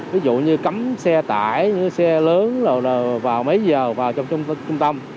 ví dụ như cấm xe tải xe lớn vào mấy giờ vào trong trung tâm